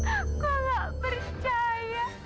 aku tidak percaya